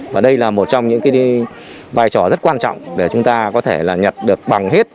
và đây là một trong những vai trò rất quan trọng để chúng ta có thể nhận được bằng hết